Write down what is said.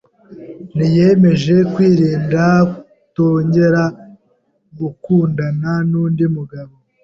niyemeje kwirinda kutongera gukundana n’undi mugabo